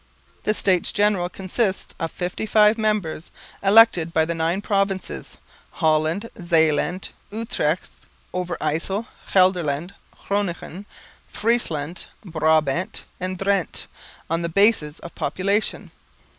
The States General consist of fifty five members, elected by the nine provinces, Holland, Zeeland, Utrecht, Overyssel, Gelderland, Groningen, Friesland, Brabant and Drente on the basis of population.